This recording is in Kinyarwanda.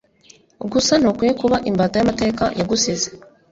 gusa ntukwiye kuba imbata yamateka yagusize